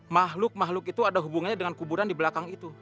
makhluk makhluk itu ada hubungannya dengan kuburan di belakang itu